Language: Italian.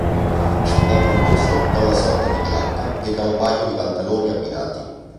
È composto da una sorta di giacca e da un paio di pantaloni abbinati.